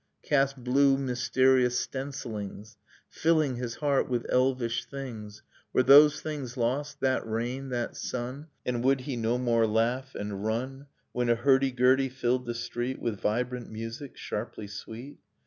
Cast blue mysterious stencillings, Filling his heart with elvish things. Were those things lost, that rain, that sun, And would he no more laugh and run When a hurdy gurdy filled the street With vibrant music, sharply sweet?